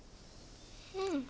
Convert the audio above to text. うん。